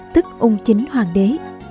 tức ung chính hoàng đế